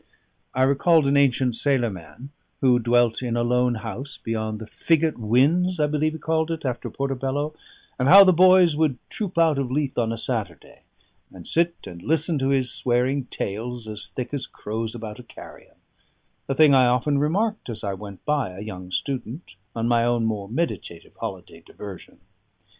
I recalled an ancient sailor man who dwelt in a lone house beyond the Figgate Whins (I believe, he called it after Portobello), and how the boys would troop out of Leith on a Saturday, and sit and listen to his swearing tales, as thick as crows about a carrion: a thing I often remarked as I went by, a young student, on my own more meditative holiday diversion.